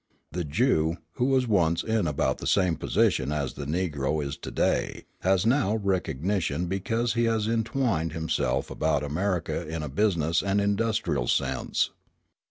The Jew, who was once in about the same position that the Negro is to day, has now recognition, because he has entwined himself about America in a business and industrial sense.